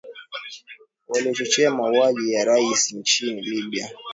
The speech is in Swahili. waliochochea mauaji ya raia nchini libya